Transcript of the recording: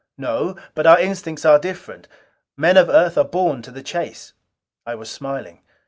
"No. But our instincts are different. Men of Earth are born to the chase." I was smiling.